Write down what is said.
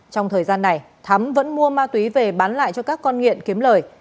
trong thời gian này thắm vẫn mua ma túy về bán lại cho các con nghiện kiếm lời